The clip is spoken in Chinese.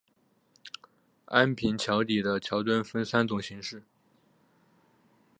安平桥底的桥墩分三种形式。